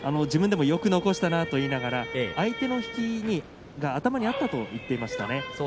自分でも、よく残したなと言いながら相手の引きは頭にあったと言っていましたね。